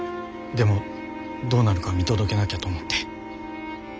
でもどうなるか見届けなきゃと思って。